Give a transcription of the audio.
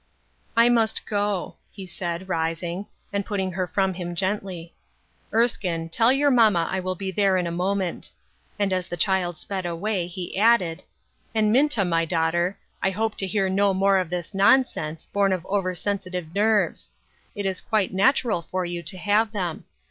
" I must go," he said, rising, and putting her from him gently ;" Erskine, tell your mamma I will be there in a moment ;" and as the child sped away, he added :" And, Minta, my daughter, I hope to hear no more of this nonsense, born of over sensitive nerves ; it is quite natural for you to have them.